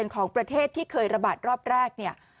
ของประเทศที่เคยระบาดรอบแรกเนี่ย